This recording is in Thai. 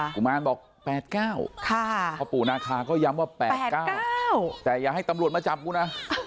กุมารบอก๘๙พ่อปู่นาคาก็ย้ำว่า๘๙แต่อย่าให้ตำรวจมาจับกูนะ